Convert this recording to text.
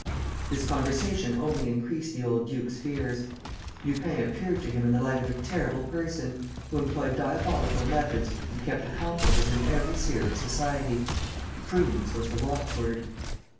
This conversation only increased the old duke's fears. Lupin appeared to him in the light of a terrible person, who employed diabolical methods and kept accomplices in every sphere of society. Prudence was the watchword.